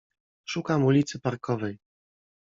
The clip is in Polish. Szukam ulicy Parkowej.